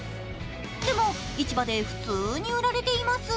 でも、市場で普通に売られています。